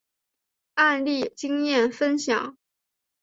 案例经验分享